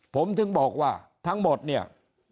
ผมถึงบอกว่าทั้งหมดเนี่ย